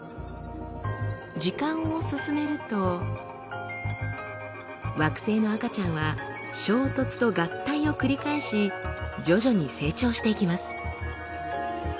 時間を進めると惑星の赤ちゃんは衝突と合体を繰り返し徐々に成長していきます。